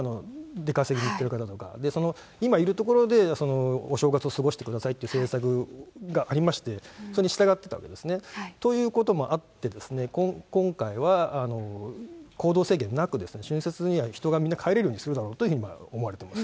出稼ぎに行ってる方とか、その今いる所で、お正月を過ごしてくださいという政策がありまして、それに従ってたわけですね。ということもあって、今回は行動制限なく、春節には人がみんな帰れるようにするだろうというふうに思われてます。